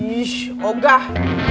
ish oh gah